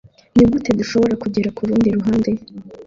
Nigute dushobora kugera kurundi ruhande?